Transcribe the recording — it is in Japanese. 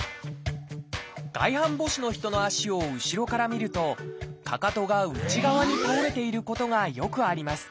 外反母趾の人の足を後ろから見るとかかとが内側に倒れていることがよくあります。